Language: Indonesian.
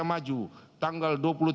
sebagai pemerintah indonesia maju